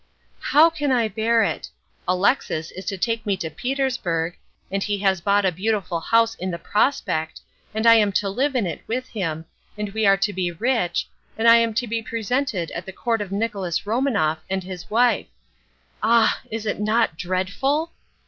How can I bear it? Alexis is to take me to Petersburg, and he has bought a beautiful house in the Prospekt, and I am to live in it with him, and we are to be rich, and I am to be presented at the Court of Nicholas Romanoff and his wife. Ah! Is it not dreadful?